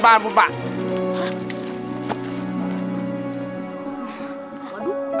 ya ampun ampun ampun